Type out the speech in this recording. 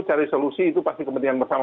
cari solusi itu pasti kepentingan bersama